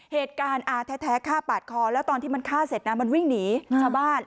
อาแท้ฆ่าปาดคอแล้วตอนที่มันฆ่าเสร็จนะมันวิ่งหนีชาวบ้าน